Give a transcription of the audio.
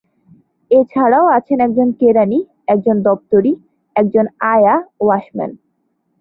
এছাড়াও আছেন একজন কেরানী, একজন দপ্তরি, একজন আয়া-ওয়াশম্যান।